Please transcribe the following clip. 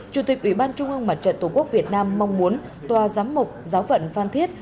chủ tịch ủy ban trung ương mặt trận tổ quốc việt nam mong muốn tòa giám mục giáo phận phan thiết